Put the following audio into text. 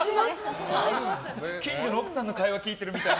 近所の奥さんの会話聞いているみたい。